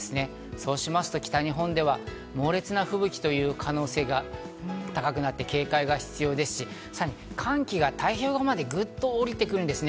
そうしますと北日本では猛烈な吹雪の可能性が高くなって警戒が必要ですし、寒気が太平洋側までグッとおりてくるんですね。